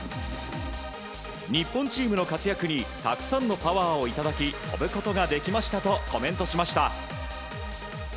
日本チームの活躍にたくさんのパワーをいただき飛ぶことができましたとコメントしました。